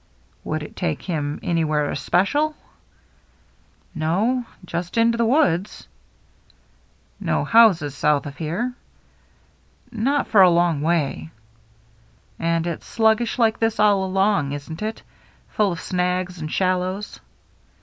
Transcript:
" Would it take him anywhere especial ?" "No — just into the woods." " No houses south of here ?"" Not for a long way." " And it's sluggish like this all along, isn't it ? Full of snags and shallows